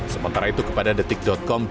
sementara itu kepada detik com